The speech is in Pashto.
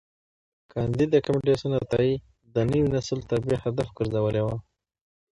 کانديد اکاډميسن عطایي د نوي نسل تربیه هدف ګرځولي وه.